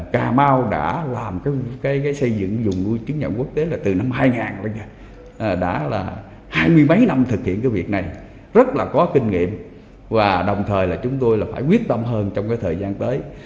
cà mau đã làm xây dựng dùng chứng nhận quốc tế từ năm hai nghìn đã là hai mươi mấy năm thực hiện việc này rất là có kinh nghiệm và đồng thời chúng tôi phải quyết tâm hơn trong thời gian tới